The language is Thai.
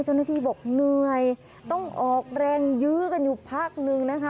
เจ้าหน้าที่บอกเหนื่อยต้องออกแรงยื้อกันอยู่พักนึงนะคะ